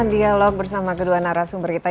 dialog bersama kedua narasumber kita